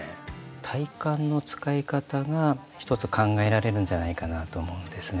体幹の使い方が一つ考えられるんじゃないかなと思うんですね。